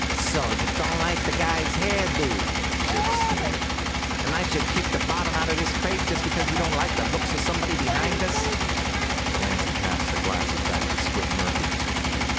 "So you don't like the guy's hair do!" Shiv sneered. "And I should kick the bottom out of dis crate just because you don't like the looks of somebody behind us!" Delancy passed the glasses back to Squid Murphy.